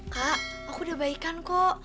kak aku udah baikan kok